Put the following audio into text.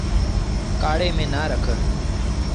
ڪآڙي ميݩ نا رک۔